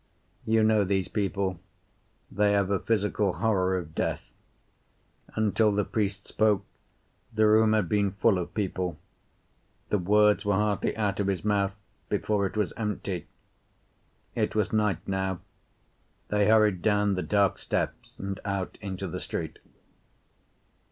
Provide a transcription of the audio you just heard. You know these people. They have a physical horror of death. Until the priest spoke, the room had been full of people. The words were hardly out of his mouth before it was empty. It was night now. They hurried down the dark steps and out into the street.